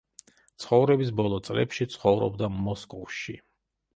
ცხოვრების ბოლო წლებში ცხოვრობდა მოსკოვში.